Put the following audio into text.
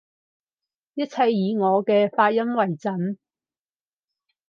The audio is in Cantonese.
一切以我嘅發音爲準